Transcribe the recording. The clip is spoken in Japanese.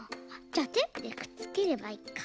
じゃテープでくっつければいいか。